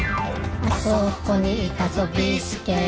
「あそこにいたぞビーすけ」